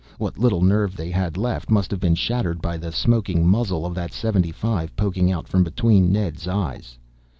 What little nerve they had left must have been shattered by the smoking muzzle of that .75 poking out from between Ned's eyes.